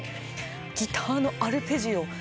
ギターのアルペジオ。